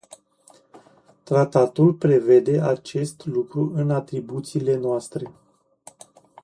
Tratatul prevede acest lucru în atribuțiile noastre.